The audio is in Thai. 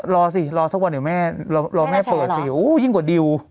รอสิรอสักวันเดี๋ยวแม่เปิดเสียงโอ้ยยิ่งกว่าดิว